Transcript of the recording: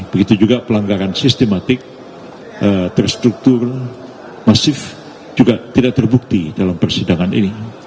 begitu juga pelanggaran sistematik terstruktur masif juga tidak terbukti dalam persidangan ini